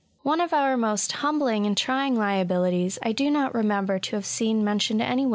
One of our most humbling and trying liabilities j I do not remember to have seen mentioned any